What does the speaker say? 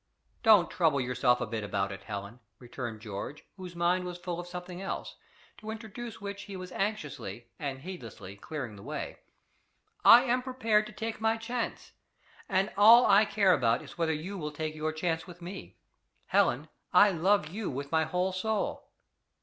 "Don't trouble yourself a bit about it, Helen," returned George, whose mind was full of something else, to introduce which he was anxiously, and heedlessly, clearing the way: "I am prepared to take my chance, and all I care about is whether you will take your chance with me. Helen, I love you with my whole soul."